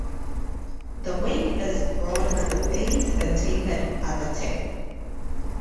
The wing is broad at the base and tapered at the tip.